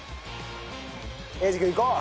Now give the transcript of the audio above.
英二君いこう！